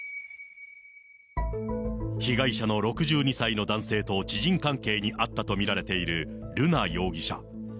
被害者の６２歳の男性と知人関係にあったと見られている瑠奈容疑者。